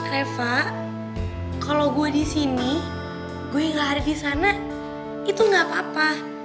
reva kalau gue disini gue gak ada disana itu gak apa apa